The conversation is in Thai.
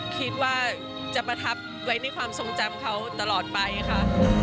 คิดว่าจะประทับไว้ในความทรงจำเขาตลอดไปค่ะ